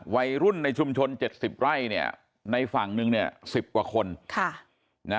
วัยรุ่นในชุมชน๗๐ไร่ในฝั่งหนึ่ง๑๐กว่าคน